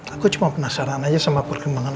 aku cuma penasaran aja sama perkembangan